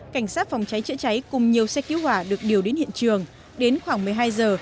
cảnh sát phòng cháy chữa cháy cùng nhiều xe cứu hỏa được điều đến hiện trường đến khoảng một mươi hai giờ